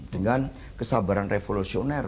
dengan kesabaran revolusioner